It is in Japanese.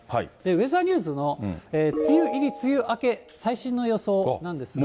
ウェザーニューズの梅雨入り、梅雨明け、最新の予想なんですが。